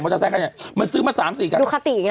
มันซื้อมา๓๔คัน